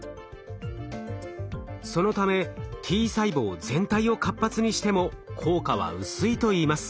そのためＴ細胞全体を活発にしても効果は薄いといいます。